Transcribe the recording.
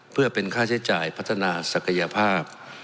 เพื่อเป็นค่าใช้จ่ายพัฒนาศักยภาพ